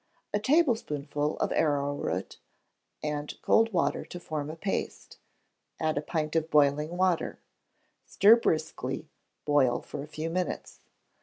A tablespoonful of arrow root, and cold water to form a paste; add a pint of boiling water; stir briskly, boil for a few minutes.